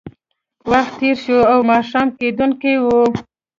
وخت تېر شو او ماښام کېدونکی و